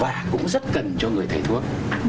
và cũng rất cần cho người thầy thuốc